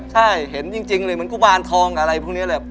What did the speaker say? ใช่เห็นจริงเลยเหมือนกุมารทองอะไรพวกนี้แหละ